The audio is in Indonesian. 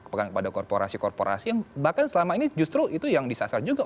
bukan kepada korporasi korporasi yang bahkan selama ini justru itu yang disasar juga